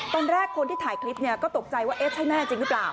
ตอนแรกคนที่ถ่ายคลิปก็ตกใจว่าเอ๊ะใช่แม่จริงหรือเปล่า